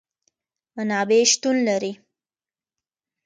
منابع شتون لري